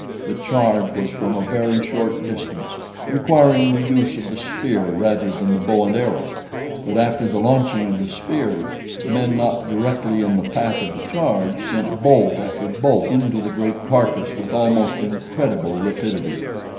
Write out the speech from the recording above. The charge was from a very short distance, requiring the use of the spear rather than the bow and arrow; but after the launching of the spears, the men not directly in the path of the charge sent bolt after bolt into the great carcass with almost incredible rapidity.